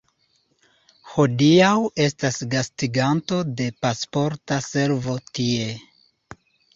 Hodiaŭ estas gastiganto de Pasporta Servo tie.